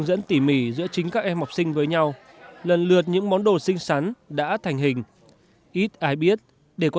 mang tới cho các em cả một miền trí thức